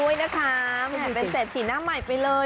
ยังเหมือนแสดงสีหน้าใหม่ไปเลย